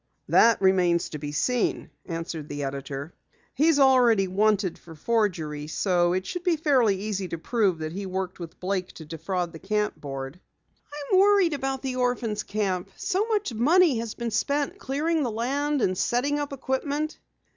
"That remains to be seen," answered the editor. "He's already wanted for forgery, so it should be fairly easy to prove that he worked with Blake to defraud the Camp Board." "I'm worried about the orphans' camp. So much money has been spent clearing the land and setting up equipment."